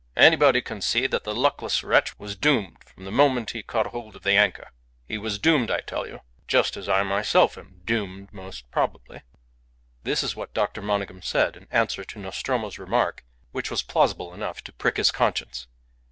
Anybody can see that the luckless wretch was doomed from the moment he caught hold of the anchor. He was doomed, I tell you! Just as I myself am doomed most probably." This is what Dr. Monygham said in answer to Nostromo's remark, which was plausible enough to prick his conscience.